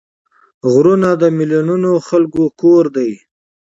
غرونه د میلیونونو خلکو کور دی